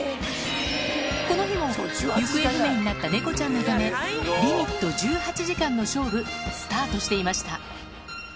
この日も、行方不明になった猫ちゃんのため、リミット１８時間の勝負、スタートしていました。